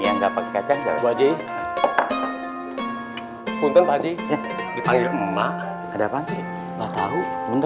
yang dapat kacang wajih untuk haji dipanggil emak ada pasti tak tahu